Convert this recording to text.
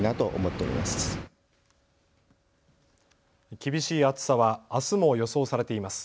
厳しい暑さはあすも予想されています。